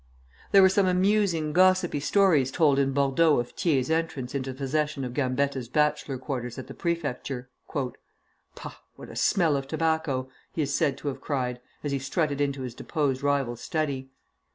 There were some amusing, gossipy stories told in Bordeaux of Thiers' entrance into possession of Gambetta's bachelor quarters at the Prefecture. "Pah! what a smell of tobacco!" he is said to have cried, as he strutted into his deposed rival's study.